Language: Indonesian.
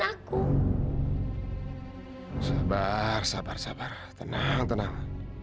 aku sabar sabar sabar tenang tenang